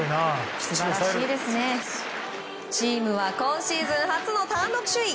チームはシーズン初の単独首位。